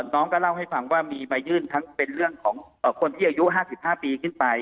น้องก็เล่าให้ฟังว่ามีมายื่นทั้งเป็นเรื่องของคนที่อายุ๕๕ปีขึ้นไป